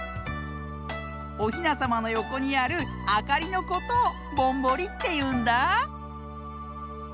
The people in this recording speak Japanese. おひなさまのよこにあるあかりのことをぼんぼりっていうんだ。